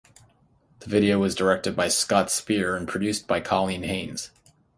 The video was directed by Scott Speer and produced by Coleen Haynes.